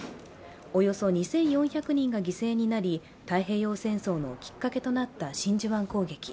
およそ２４００人が犠牲になり太平洋戦争のきっかけとなった真珠湾攻撃。